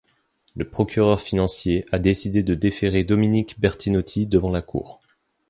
Le procureur financier a décidé de déférer Dominique Bertinotti devant la Cour.